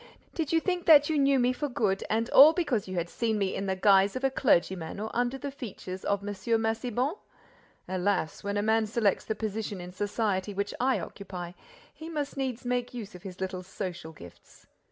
"Did you think that you knew me for good and all because you had seen me in the guise of a clergyman or under the features of M. Massiban? Alas, when a man selects the position in society which I occupy, he must needs make use of his little social gifts!